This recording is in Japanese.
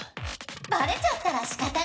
バレちゃったらしかたがないか。